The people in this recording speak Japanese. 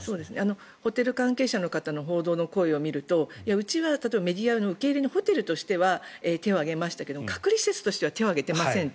ホテル関係者の方の報道の声を見るとうちは例えばメディアの受け入れのホテルとしては手を挙げたけど隔離施設としては手を挙げていませんと。